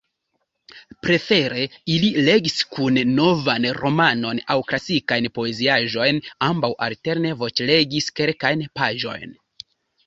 Prefere ili legis kune novan romanon aŭ klasikajn poeziaĵojn; ambaŭ alterne voĉlegis kelkajn paĝojn.